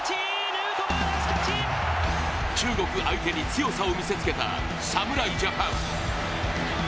中国相手に強さを見せつけた侍ジャパン。